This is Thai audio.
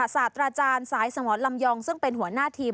ศาสตราจารย์สายสมรลำยองซึ่งเป็นหัวหน้าทีม